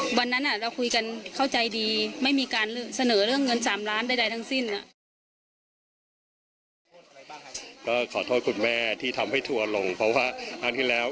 ความผิดของพี่เกิดไม่ได้เลยครับเหมือนเกิดการเรียกฆ่าเสนอเงินสามล้านบาทได้แล้ว